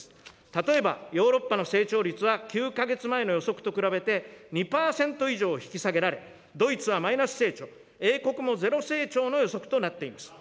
例えばヨーロッパの成長率は、９か月前の予測と比べて２％以上引き下げられ、ドイツはマイナス成長、英国もゼロ成長の予測となっています。